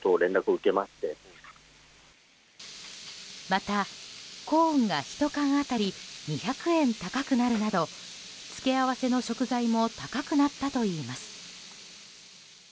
また、コーンが１缶当たり２００円高くなるなど付け合わせの食材も高くなったといいます。